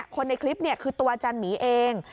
คนในคลิปคือตัวอาจารย์หมีเอง